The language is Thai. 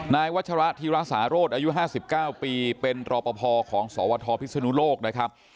นายวัชระธีระสาโรธอายุ๕๙ปีเป็นรอปภของสวทพิศนุโลกนะครับ